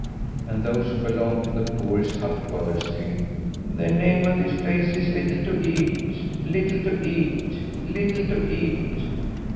And those who belonged to the poorest hut dwellers screamed: "The name of this place is Little to eat, Little to eat, Little to eat."